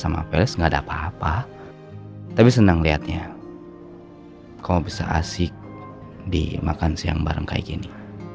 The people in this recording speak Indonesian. kelihatannya kau bisa asyik di makan siang bareng kayak gini